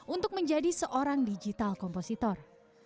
untuk menjadi seorang digital kompositor